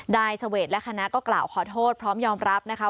นายเสวดและคณะก็กล่าวขอโทษพร้อมยอมรับนะคะ